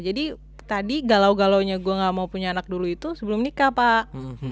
jadi tadi galau galaunya gue gak mau punya anak dulu itu sebelum nikah pak